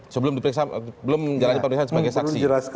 sebelum diperiksa belum jalan pemeriksaan sebagai saksi